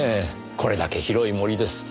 これだけ広い森です。